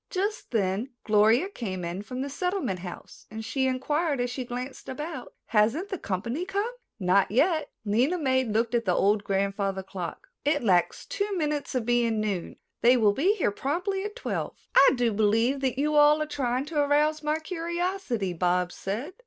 Just then Gloria came in from the Settlement House and she inquired as she glanced about: "Hasn't the company come?" "Not yet." Lena May looked at the old grandfather clock. "It lacks two minutes of being noon. They will be here promptly at twelve." "I do believe that you are all trying to arouse my curiosity," Bobs said.